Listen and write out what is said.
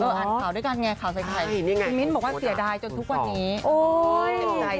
เอออ่านข่าวด้วยกันไงข่าวใส่ไข่คุณมิ้นท์บอกว่าเสียดายจนทุกวันนี้โอ้โห